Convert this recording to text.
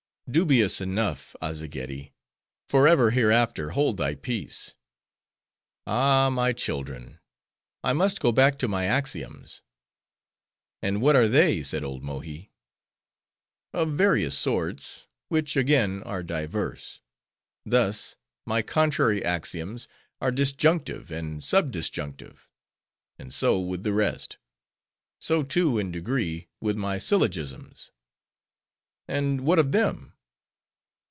"Dubious enough! Azzageddi! forever, hereafter, hold thy peace." "Ah, my children! I must go back to my Axioms." "And what are they?" said old Mohi. "Of various sorts; which, again, are diverse. Thus: my contrary axioms are Disjunctive, and Subdisjunctive; and so, with the rest. So, too, in degree, with my Syllogisms." "And what of them?"